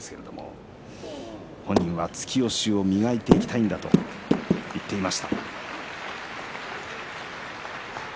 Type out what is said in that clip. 本人は突き押しを磨いていきたいんだという話です。